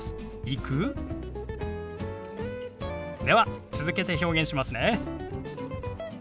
では続けて表現しますね。